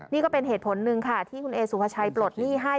นี่ก็เป็นเหตุผลหนึ่งค่ะที่คุณเอสุภาชัยปลดหนี้ให้